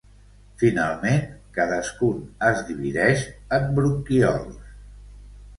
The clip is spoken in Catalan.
Finalment, cadascun es divideix en bronquíols.